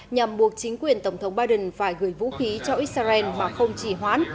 nhằm buộc chính quyền tổng thống biden phải gửi vũ khí cho israel mà không chỉ hoãn